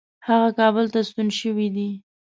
هغه کابل ته ستون شوی دی.